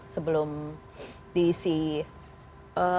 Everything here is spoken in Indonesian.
sebelum di sea